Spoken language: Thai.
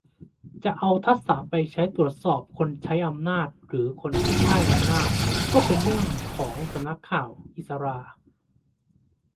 จะเอาทักษะไปใช้ตรวจสอบคนใช้อำนาจหรือคนใต้อำนาจ ก็เป็นเรื่องของสำนักข่าวอิศรา